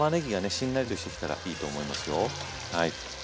しんなりとしてきたらいいと思いますよ。